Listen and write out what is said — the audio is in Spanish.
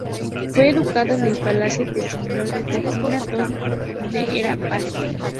Fue educado en el palacio del señor de Cetina, donde era paje.